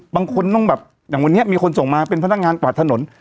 บางคนต้องแบบอย่างวันนี้มีคนส่งมาเป็นพนักงานกวาดถนน